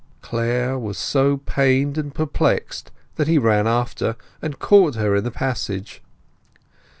Clare was so pained and perplexed that he ran after and caught her in the passage.